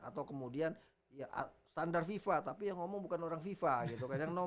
atau kemudian ya standar fifa tapi yang ngomong bukan orang fifa gitu